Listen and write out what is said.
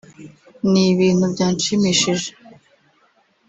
Ni bintu byanshimishije